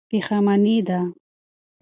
پښېماني ده.